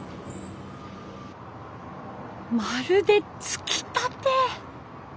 まるでつきたて！